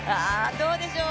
どうでしょう？